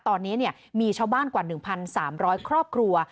ตอนนี้มีชาวบ้านกว่า๑๓๐๐ครอบครัว